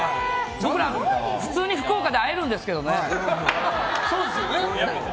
僕ら、普通に福岡で会えるんですけどね。